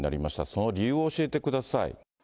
その理由を教えてください。